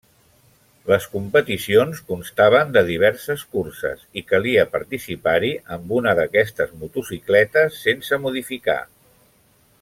Les competicions constaven de diverses curses i calia participar-hi amb una d'aquestes motocicletes, sense modificar.